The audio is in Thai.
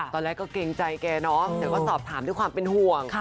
ตอนแรกก็เกรงใจแกเนาะแต่ก็สอบถามด้วยความเป็นห่วง